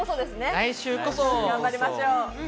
来週こそ頑張りましょう。